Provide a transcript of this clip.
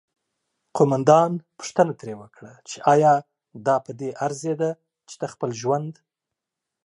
قوماندان پوښتنه ترې وکړه چې آیا دا پدې ارزیده چې ته خپل ژوند